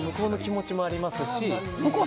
向こうの気持ちもありますし。